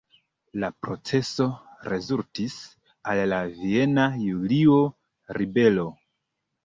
La proceso rezultis al la Viena Julio-ribelo.